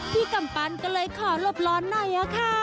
พี่กำปันก็เลยขอหลบร้อนหน่อยน่ะค่ะ